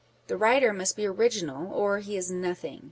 The writer must bo original, or he is nothing.